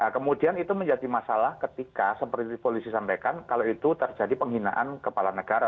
kemudian itu menjadi masalah ketika seperti polisi sampaikan kalau itu terjadi penghinaan kepala negara